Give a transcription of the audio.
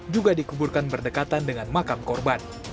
juga dikuburkan berdekatan dengan makam korban